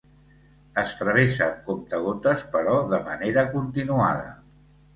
Es travessa amb comptagotes, però de manera continuada.